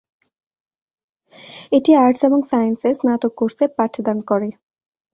এটি আর্টস এবং সায়েন্সের স্নাতক কোর্সে পাঠদান করে।